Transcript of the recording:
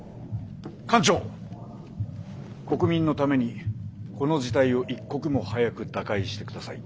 艦長国民のためにこの事態を一刻も早く打開して下さい。